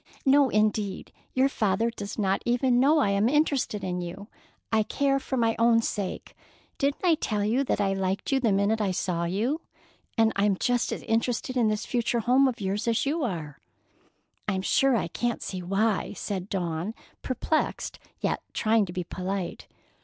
"No, indeed! Your father does not even know I am interested in you. I care for my own sake. Didn't I tell you that I liked you the minute I saw you? And I'm just as interested in this future home of yours as you are." "I'm sure I can't see why," said Dawn, perplexed, yet trying to be polite.